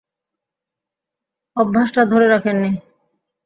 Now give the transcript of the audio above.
অভ্যাসটা ধরে রাখেন নি?